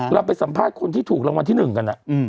เราไปสัมภาษณ์คนที่ถูกรางวัลที่๑กัน